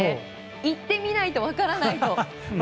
行ってみないと分からないと。